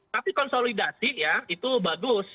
tapi konsolidasi ya itu bagus